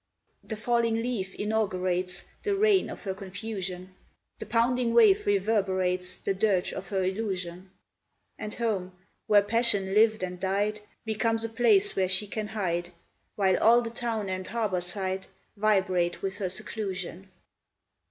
The falling leaf inaugurates The reign of her confusion; The pounding wave reverberates The dirge of her illusion; And home, where passion lived and died, Becomes a place where she can hide, While all the town and harbor side Vibrate with her seclusion.